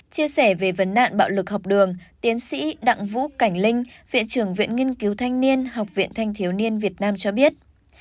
chia sẻ về vấn nạn bạo lực học đường tiến sĩ đặng vũ cảnh linh viện trưởng viện nghiên cứu thanh niên học viện thanh thiếu niên việt nam cho biết